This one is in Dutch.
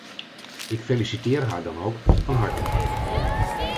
Ik feliciteer haar dan ook van harte.